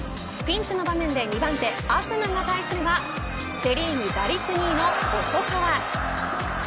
道の場面で２番手東妻が対するはセ・リーグ打率２位の細川。